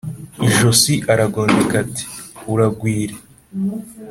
ijosi aragondeka ati « uragwire »